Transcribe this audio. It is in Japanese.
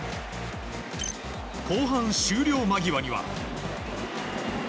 後半終了間際には。